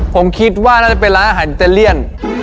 ผมคิดว่าน่าจะเป็นร้านอาหารอิตาเลียน